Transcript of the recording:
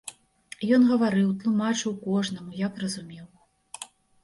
Ён гаварыў, тлумачыў кожнаму, як разумеў.